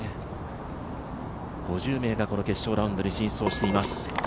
５０名がこの決勝ラウンドに進出しています。